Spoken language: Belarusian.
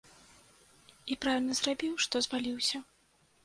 І правільна зрабіў, што зваліўся.